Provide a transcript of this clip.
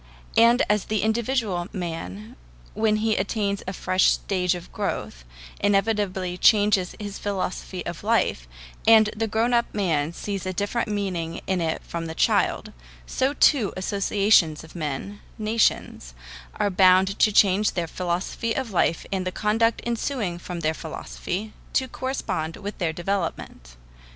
And as the individual man, when he attains a fresh stage of growth, inevitably changes his philosophy of life, and the grown up man sees a different meaning in it from the child, so too associations of men nations are bound to change their philosophy of life and the conduct ensuing from their philosophy, to correspond with their development.